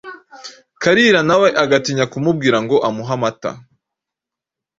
Kalira na we agatinya kumubwira ngo amuhe amata,